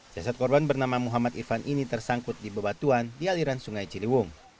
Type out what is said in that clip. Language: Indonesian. jasad korban bernama muhammad irfan ini tersangkut di bebatuan di aliran sungai ciliwung